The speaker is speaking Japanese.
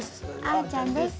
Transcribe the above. あーちゃんです。